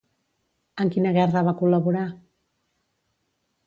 En quina guerra va col·laborar?